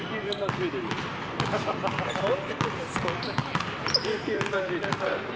そんなに？